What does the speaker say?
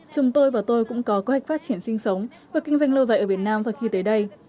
chúng tôi và tôi cũng có cơ hội phát triển sinh sống và kinh doanh lâu dài ở việt nam do khi tới đây